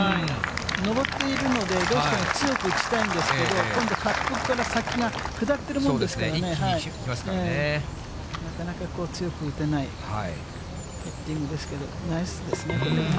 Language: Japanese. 上っているので、どうしても強く打ちたいんですけど、今度、カップから先が下ってるものですからね、なかなか強くいけないパッティングですけど、ナイスですね。